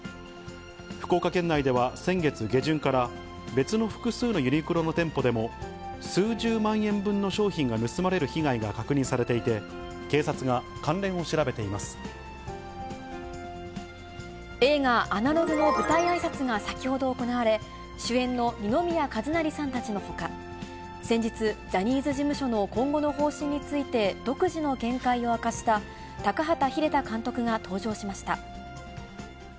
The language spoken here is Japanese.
福岡県内では先月下旬から、別の複数のユニクロの店舗でも、数十万円分の商品が盗まれる被害が確認されていて、映画、アナログの舞台あいさつが先ほど行われ、主演の二宮和也さんたちのほか、先日、ジャニーズ事務所の今後の方針について独自の見解を明かしたタカハタ秀太監督が登場しました。